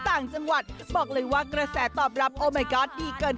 ผัวไปเถินเอาผัวไปเถินเอาผัวไปเถินเอาผัวไปเถินเอาผัวไปเถิน